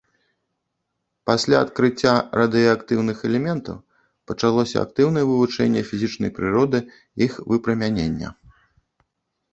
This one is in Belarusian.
Пасля адкрыцця радыеактыўных элементаў пачалося актыўнае вывучэнне фізічнай прыроды іх выпрамянення.